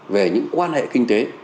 về những quan hệ kinh tế